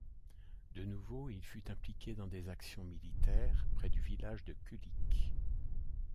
De nouveau, il fut impliqué dans des actions militaires près du village de Kulik.